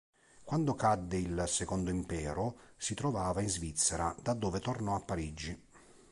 Quando cadde il Secondo Impero, si trovava in Svizzera, da dove tornò a Parigi.